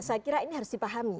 saya kira ini harus dipahami